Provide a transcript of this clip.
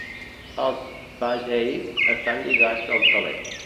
Els "Pagey" estan lligats al teler.